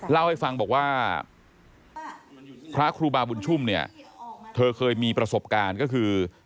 เล่าให้ฟังบอกว่าพระครูบาบุญชุ่มเนี่ยเธอเคยมีประสบการณ์ก็คือ